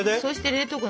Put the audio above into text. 冷凍庫！